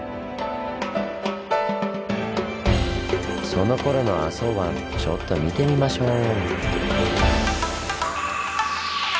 そのころの浅茅湾ちょっと見てみましょう！